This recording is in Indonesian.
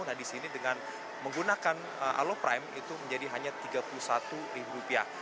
nah di sini dengan menggunakan aloprime itu menjadi hanya tiga puluh satu ribu rupiah